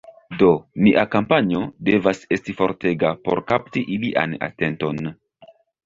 Do, nia kampanjo devas esti fortega por kapti ilian atenton